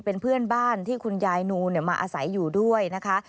เป็นเพื่อนบ้านที่คุณยายนูมาอาศัยอยู่ด้วยนะคะ